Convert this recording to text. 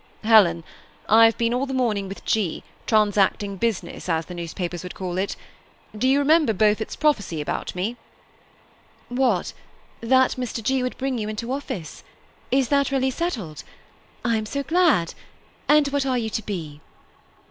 ^' Helen, I have been all the morning with G. trans acting business, as the newspapers would call it. Do you remember Beaufort's prophecy about me ?" THE SEMI ATTiX; HED COUPLE. 203 " What, that Mr. G. would bring you into office ? Is that reallj settled ? I am so glad. And what are you to be